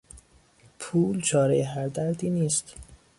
پول چارهی هر دردی نیست.